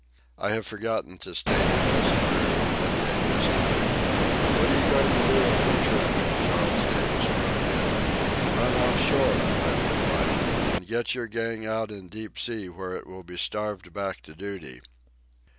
I have forgotten to state that this occurred at midday yesterday. "What are you goin' to do if we trim?" Charles Davis broke in. "Run off shore," I replied, "and get your gang out in deep sea where it will be starved back to duty."